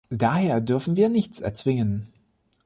Daher dürfen wir nichts erzwingen.